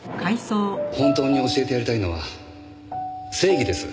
本当に教えてやりたいのは正義です。